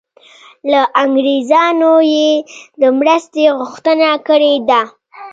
له انګریزانو یې د مرستې غوښتنه کړې ده.